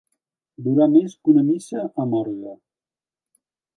Durar més que una missa amb orgue.